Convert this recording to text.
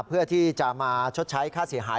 เพื่อที่จะมาชดใช้ค่าเสียหาย